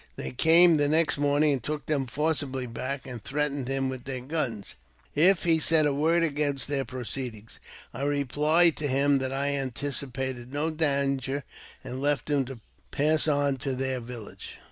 They came the next morning and took them forcibly back, and threatened him with their guns if he said a word about their proceedings. I replied to him that I anticipated no danger, and left him to pass on to their village.